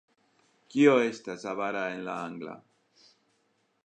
Kio estas avara en la angla?